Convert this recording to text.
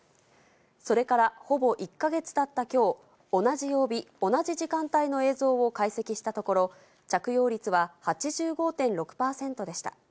それからほぼ１か月たったきょう、同じ曜日、同じ時間帯の映像を解析したところ、着用率は８５．６％でした。